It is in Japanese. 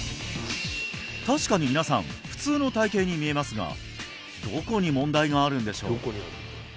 確かに皆さん普通の体形に見えますがどこに問題があるんでしょう？